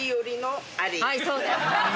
はいそうです。